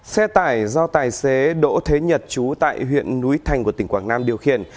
xe tải do tài xế đỗ thế nhật chú tại huyện núi thành của tỉnh quảng nam điều khiển